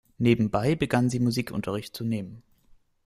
Nebenbei begann sie Musikunterricht zu nehmen.